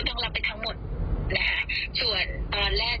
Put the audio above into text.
น้องแอมก็ได้แต่งทนายในชั้นศาลอะไรพวกนี้เรียบร้อยแล้วนะคะ